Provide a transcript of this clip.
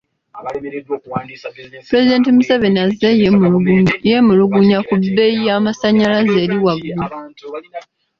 Pulezidenti Museveni azze yeemulugunya ku bbeeyi y’amasannyalaze eri waggulu.